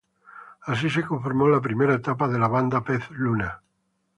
Así se conformó la primera etapa de la banda Pez Luna.